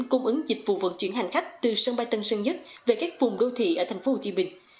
cung ứng dịch vụ vận chuyển hành khách từ sân bay tân sơn nhất về các vùng đô thị ở thành phố hồ chí minh